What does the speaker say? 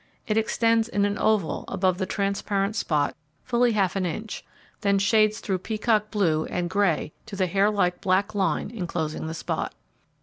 It extends in an oval above the transparent spot fully half an inch, then shades through peacock blue, and grey to the hairlike black line enclosing the spot.